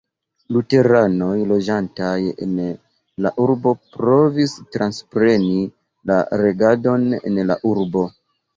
Luteranoj loĝantaj en la urbo provis transpreni la regadon en la urbo.